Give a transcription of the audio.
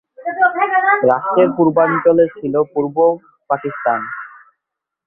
রাষ্ট্রের পূর্বাঞ্চলে ছিল পূর্ব পাকিস্তান।